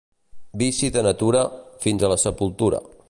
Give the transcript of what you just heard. Vici de natura, fins a la sepultura.